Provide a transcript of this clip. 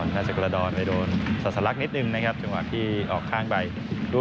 ยิงกระดอลมันสลักนิดนึงนะครับนั่งทีออกข้างไวดุ